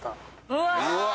うわ。